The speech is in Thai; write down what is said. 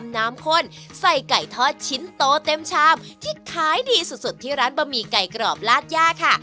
น้ำข้นใส่ไก่ทอดชิ้นโตเต็มชามที่ขายดีสุดที่ร้านบะหมี่ไก่กรอบลาดย่าค่ะ